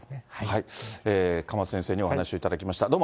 鎌田先生にお話をいただきました。